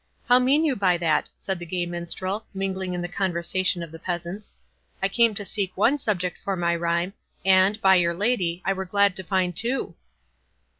—"How mean you by that?" said the gay Minstrel, mingling in the conversation of the peasants; "I came to seek one subject for my rhyme, and, by'r Lady, I were glad to find two."